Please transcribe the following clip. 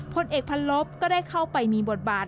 พลเอกพันลบก็ได้เข้าไปมีบทบาท